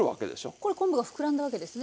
これ昆布が膨らんだわけですね